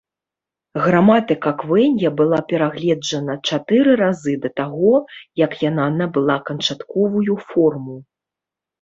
Граматыка квэнья была перагледжана чатыры разы да таго, як яна набыла канчатковую форму.